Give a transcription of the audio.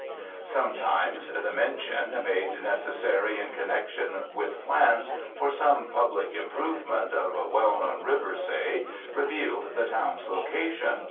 Sometimes the mention, made necessary in connection with plans for some public improvement, of a well known river, say, revealed the town's location.